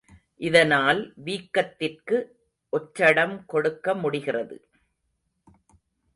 இதனால், வீக்கத்திற்கு ஒற்றடம் கொடுக்க முடிகிறது.